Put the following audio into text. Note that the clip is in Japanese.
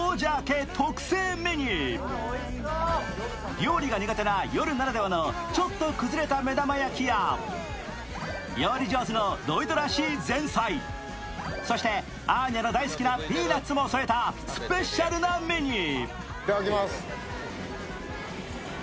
料理が苦手なヨルならではのちょっと崩れた目玉焼きや料理上手のロイドらしい前菜、そしてアーニャの大好きなピーナツも添えたスペシャルなメニュー。